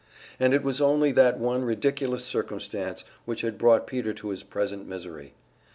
And it was only that one ridiculous circumstance which had brought Peter to his present misery.